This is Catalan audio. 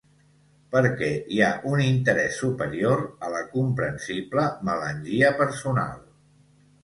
Perquè hi ha un interès superior a la comprensible melangia personal.